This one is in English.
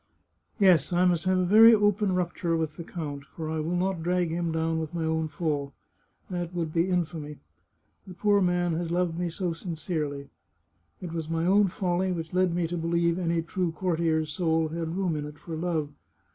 " Yes, I must have a very open rupture with the count, for I will not drag him down with my own fall. That would be infamy. The poor man has loved me so sincerely. It was my own folly which led me to believe any true cour tier's soul had room in it for love.